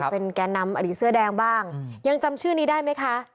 เป็นแก่นำอดีตเสื้อแดงบ้างยังจำชื่อนี้ได้ไหมคะ